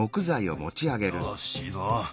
よしいいぞ。